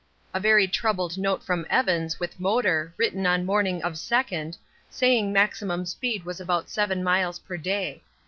A very troubled note from Evans (with motor) written on morning of 2nd, saying maximum speed was about 7 miles per day.